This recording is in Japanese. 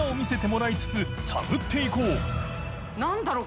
何だろう？